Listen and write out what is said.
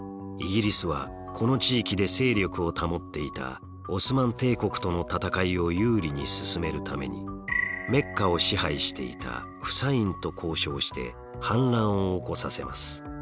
イギリスはこの地域で勢力を保っていたオスマン帝国との戦いを有利に進めるためにメッカを支配していたフサインと交渉して反乱を起こさせます。